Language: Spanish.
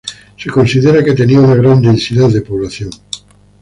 Se considera que tenía una gran densidad de población.